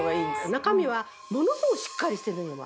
中身はものすごいしっかりしてるの今。